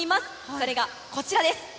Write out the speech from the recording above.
それがこちらです。